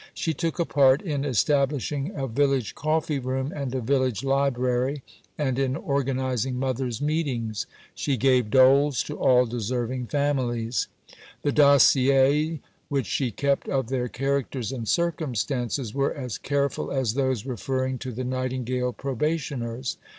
She took a part in establishing a village coffee room and a village library, and in organizing mothers' meetings. She gave doles to all deserving families. The dossiers which she kept of their characters and circumstances were as careful as those referring to the Nightingale Probationers.